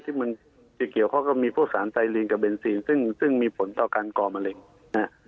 ที่มันจะเกี่ยวข้องกับมีพวกสารไตลิงกับเบนซีนซึ่งซึ่งมีผลต่อการก่อมะเร็งนะฮะ